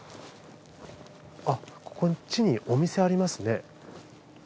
あっこっちにお店ありますね。